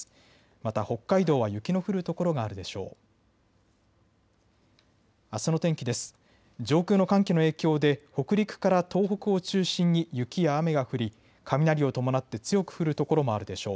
また北海道は雪の降る所があるでしょう。